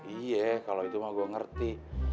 iya kalau itu mah gue ngerti